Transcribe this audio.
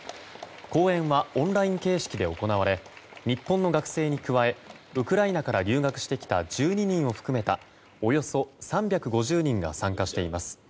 講演はオンライン形式で行われ日本の学生に加えウクライナから留学してきた１２人を含めたおよそ３５０人が参加しています。